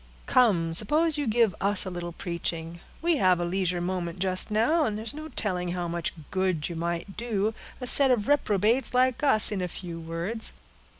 "Come, suppose you give us a little preaching; we have a leisure moment just now, and there's no telling how much good you might do a set of reprobates like us, in a few words.